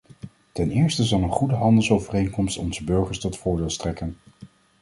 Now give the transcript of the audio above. Ten eerste zal een goede handelsovereenkomst onze burgers tot voordeel strekken.